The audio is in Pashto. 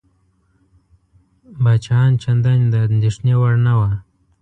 پاچاهان چنداني د اندېښنې وړ نه وه.